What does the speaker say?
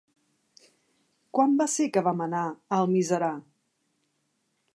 Quan va ser que vam anar a Almiserà?